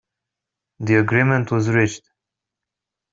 The agreement was reached.